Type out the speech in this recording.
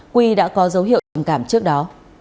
quy đã có dấu hiệu tình cảm trước đó